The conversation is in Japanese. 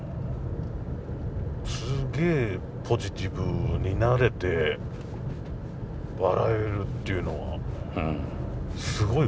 すげえポジティブになれて笑えるっていうのはすごいことだよね。